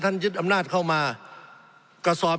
สงบจนจะตายหมดแล้วครับ